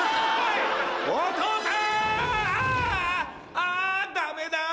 あダメだぁ。